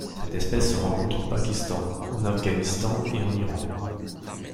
Cette espèce se rencontre au Pakistan, en Afghanistan et en Iran.